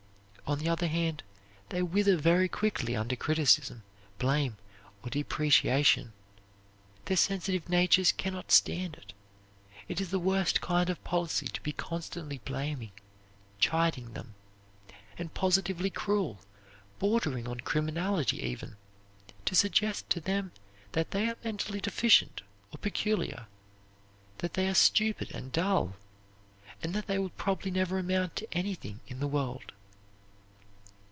On the other hand, they wither very quickly under criticism, blame, or depreciation. Their sensitive natures can not stand it. It is the worst kind of policy to be constantly blaming, chiding them, and positively cruel, bordering on criminality even, to suggest to them that they are mentally deficient or peculiar, that they are stupid and dull, and that they will probably never amount to anything in the world.